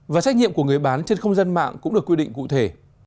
và trách nhiệm của người bán trên không gian mạng cũng được quy định cụ thể